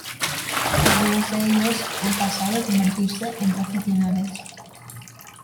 Algunos de ellos han pasado a convertirse en profesionales.